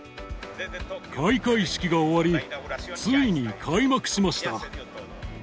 開会式が終わり、ついに開幕しました。